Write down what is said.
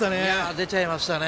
出ちゃいましたね。